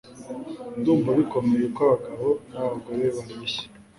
Ndumva bikomeye ko abagabo nabagore bareshya